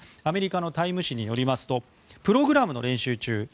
アメリカの「タイム」誌によりますとプログラムの練習中